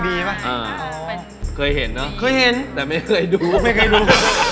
ไม่เคยดู